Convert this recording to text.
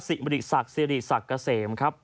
สิบระดิษักสิริสักเกษมครับ